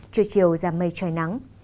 trưa chiều giảm mây trời nắng